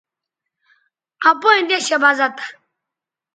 اپئیں دیشےبزہ تھہ